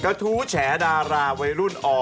กระทู้แฉดาราวัยรุ่นอ